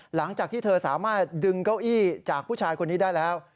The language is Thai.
หลังจากที่เธอสามารถดึงเก้าอี้จากผู้ชายคนนี้ได้แล้ว